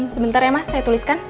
sebentar ya mas saya tuliskan